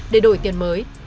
để đổi tiền mới